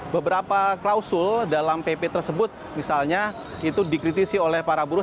beberapa klausul dalam pp tersebut misalnya itu dikritisi oleh para buruh